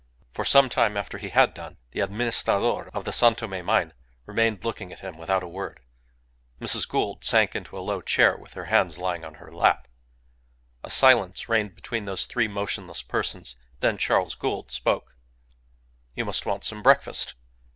For some time after he had done, the Administrador of the San Tome mine remained looking at him without a word. Mrs. Gould sank into a low chair with her hands lying on her lap. A silence reigned between those three motionless persons. Then Charles Gould spoke "You must want some breakfast."